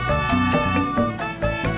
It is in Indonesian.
tati disuruh nyiram